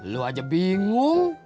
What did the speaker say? lo aja bingung